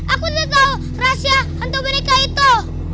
aku sudah tahu rahasia hantu mereka itu